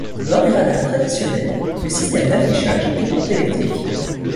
Dans les radars traditionnels le système d'affichage est purement électrique.